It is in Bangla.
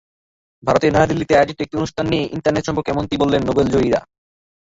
ভারতের নয়াদিল্লিতে আয়োজিত একটি অনুষ্ঠানে অংশ নিয়ে ইন্টারনেট সম্পর্কে এমনটিই বললেন নোবেলজয়ীরা।